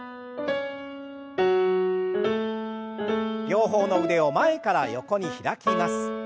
両方の腕を前から横に開きます。